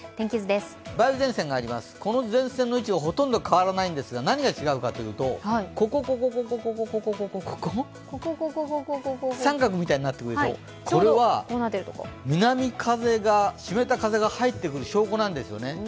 梅雨前線があります、この前線の位置はほとんど変わらないんですが、何が違うかというと、ここ、△みたいになってるでしょ、これは南風、湿った風が入ってくる証拠なんですよね。